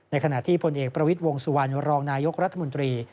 ขณะที่พลเอกประวิทย์วงสุวรรณรองนายกรัฐมนตรี